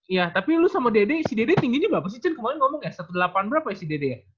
iya tapi lu sama dede si dede tingginya berapa sih cen kemarin ngomong ya delapan belas berapa ya si dede ya